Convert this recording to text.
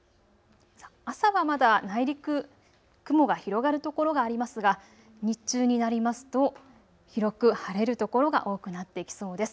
朝はまだ内陸、雲が広がる所がありますが日中になりますと広く晴れる所が多くなってきそうです。